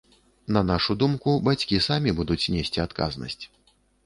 На нашу думку, бацькі самі будуць несці адказнасць.